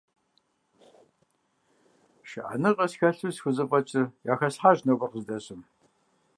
ШыӀэныгъэ схэлъу схузэфӀэкӀыр яхэслъхьащ нобэр къыздэсым.